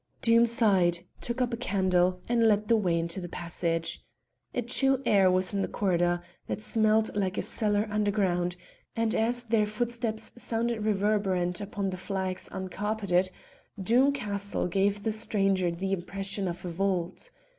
Doom sighed, took up a candle, and led the way into the passage. A chill air was in the corridor, that smelled like a cellar underground, and as their footsteps sounded reverberant upon the flags uncar peted, Doom Castle gave the stranger the impression of a vault.